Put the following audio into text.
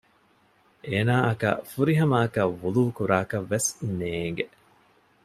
އޭނާއަކަށް ފުރިހަމައަކަށް ވުޟޫ ކުރާކަށްވެސް ނޭގެ